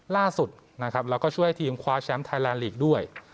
ล่าสุดนะครับแล้วก็ช่วยทีมคว้าแชมป์ไทยแลนดลีกด้วย